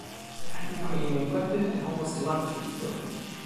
It had become a neglected and almost dilapidated building.